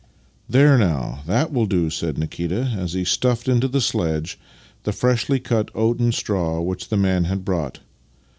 " There now, that will do," said Nikita as he stuffed into the sledge the freshly cut oaten straw which the man had brought.